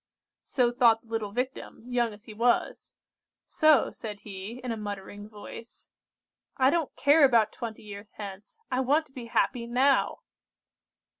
"So thought the little Victim, young as he was; so, said he, in a muttering voice:— "'I don't care about twenty years hence; I want to be happy now!